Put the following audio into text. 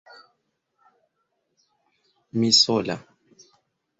Mi sola!